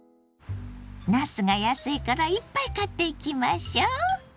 なすが安いからいっぱい買っていきましょう！